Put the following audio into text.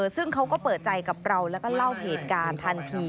ซึ่งเขาก็เปิดใจกับเราแล้วก็เล่าเหตุการณ์ทันที